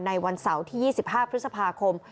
วันเสาร์ที่๒๕พฤษภาคม